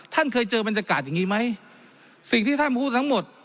ท่านเคยเจอบรรยากาศอย่างนี้ไหมสิ่งที่ท่านพูดทั้งหมด